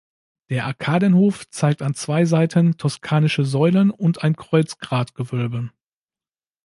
Der Arkadenhof zeigt an zwei Seiten toskanische Säulen und ein Kreuzgratgewölbe.